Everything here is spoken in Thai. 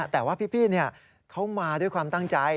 แต่ว่าพี่เขามาด้วยความตั้งใจ